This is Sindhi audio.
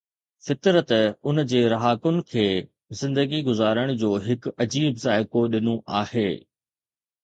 فطرت ان جي رهاڪن کي زندگي گذارڻ جو هڪ عجيب ذائقو ڏنو آهي.